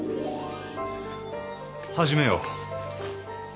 始めよう。